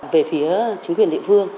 về phía chính quyền địa phương